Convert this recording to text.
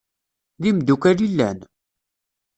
D imdukal i llan?